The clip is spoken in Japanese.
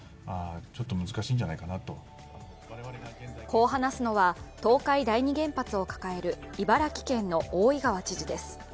こう話すのは東海第二原発を抱える茨城県の大井川知事です。